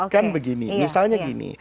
kan begini misalnya gini